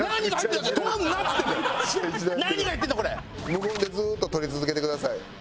無言でずっと撮り続けてください。